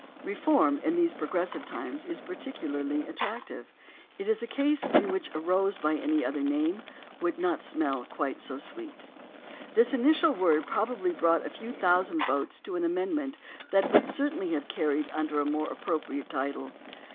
"Reform" in these progressive times is pecuUarly attractive. It is a case in which a rose by any other name would not smell quite so sweet. This initial word probably brought a few thousand votes to an amend ment that would certainly have carried under a more appropriate title.